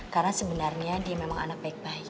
karena sebenarnya dia memang anak baik baik